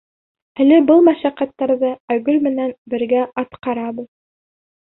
Әле был мәшәҡәттәрҙе Айгөл менән бергә атҡарабыҙ.